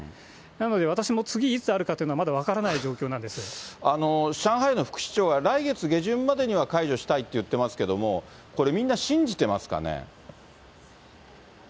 なので私も、次いつあるかというのは、まだ分からない状況なんで上海の副市長が来月下旬までには解除したいって言ってますけども、これ、みんな信じてますかね？